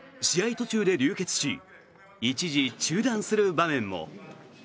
途中で流血し一時中断する場面も。